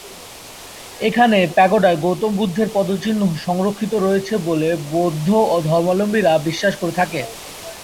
এখানে প্যাগোডায় গৌতম বুদ্ধের পদচিহ্ন সংরক্ষিত রয়েছে বলে বৌদ্ধ ধর্মাবলম্বীরা বিশ্বাস করে থাকে।